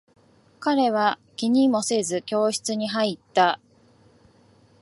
彼は気にもせず、教室に入った。